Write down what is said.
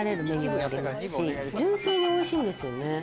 純粋においしいんですよね。